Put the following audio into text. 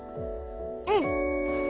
うん。